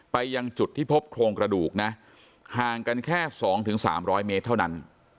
ไปยังจุดที่พบโครงกระดูกนะห่างกันแค่สองถึงสามร้อยเมตรเท่านั้น